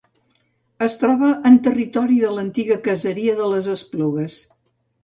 Es troba en territori de l'antiga caseria de les Esplugues.